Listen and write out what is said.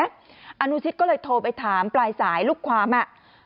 อนุชิตก็เลยโทรไปถามปลายสายลูกความอ่ะ